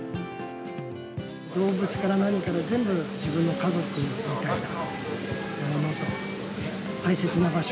動物から何から全部、自分の家族みたいなもの。